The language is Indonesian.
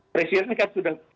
presiden kan sudah